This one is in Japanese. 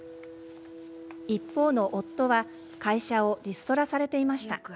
一方の夫は会社をリストラされていました。